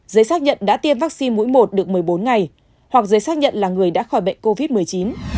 giấy xác nhận đã tiêm vaccine mũi một được một mươi bốn ngày hoặc giấy xác nhận là người đã khỏi bệnh covid một mươi chín